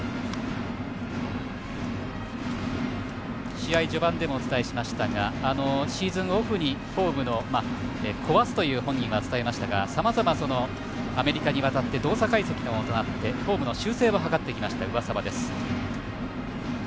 試合序盤でもお伝えしましたがシーズンオフにフォームを壊すと本人は伝えましたがさまざま、アメリカにわたって動作解析などでフォームの修正を図ってきました上沢です。